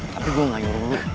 tapi gue gak nyuruh